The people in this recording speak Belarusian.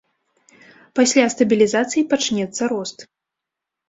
Пасля стабілізацыі пачнецца рост.